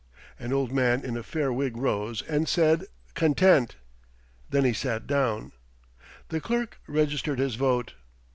An old man in a fair wig rose, and said, "Content." Then he sat down. The Clerk registered his vote.